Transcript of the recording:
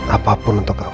apapun untuk kamu